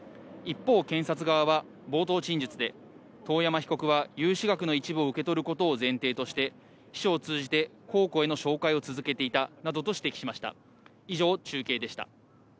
一方、検察側は冒頭陳述で、遠山被告は融資額の一部を受け取ることを前提として秘書を通じて公庫への紹介を続けていたなどと指摘しました。